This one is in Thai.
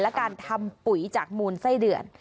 และการทำปุ๋ยจากมูลไส้เดือน